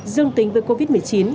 dương tính với covid một mươi chín